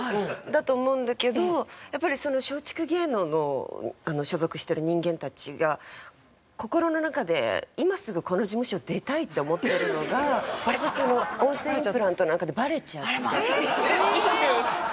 だと思うんだけどやっぱり松竹芸能の所属してる人間たちが心の中で「今すぐこの事務所を出たい」って思ってるのが割と２０２２にやっぱみんな思ってたんだ。